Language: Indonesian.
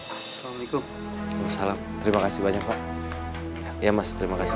assalamualaikum salam terima kasih banyak pak ya mas terima kasih